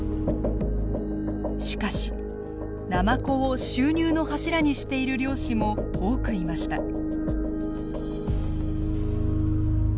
しかしナマコを収入の柱にしている漁師も多くいました。